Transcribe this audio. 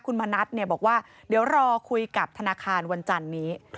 คุณมณัฐบอกว่าเดี๋ยวรอคุยกับธนาคารวันจันนี้